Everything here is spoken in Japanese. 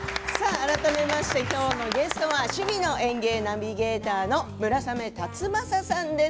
改めまして今日のゲストは「趣味の園芸」ナビゲーターの村雨辰剛さんです。